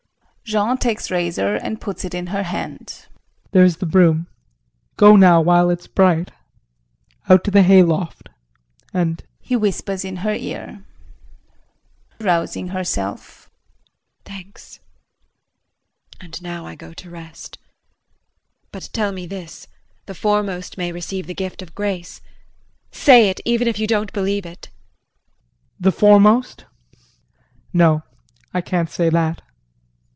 JEAN [Takes razor and puts it in her hand]. There is the broom, go now while it's bright out to the hay loft and [He whispers in her ear.] JULIE [Rousing herself]. Thanks. And now I go to rest. But tell me this the foremost may receive the gift of Grace? Say it, even if you don't believe it. JEAN. The foremost? No, I can't say that.